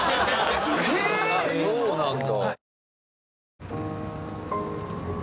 そうなんだ。